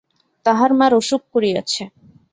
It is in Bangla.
তাঁহার মার অসুখ করিয়াছে।